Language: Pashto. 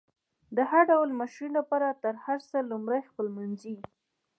د هر ډول مشري لپاره تر هر څه لمړی خپلمنځي